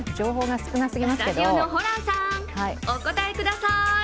・スタジオのホランさん、お答えください。